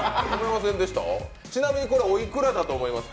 ちなみにこれ、おいくらだと思いますか？